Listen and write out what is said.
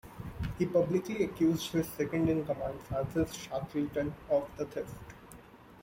He publicly accused his second in command, Francis Shackleton, of the theft.